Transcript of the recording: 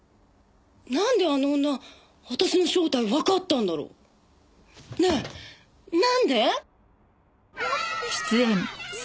なんであの女私の正体わかったんだろう？ねえなんで？